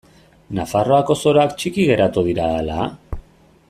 Nafarroako soroak txiki geratu dira ala?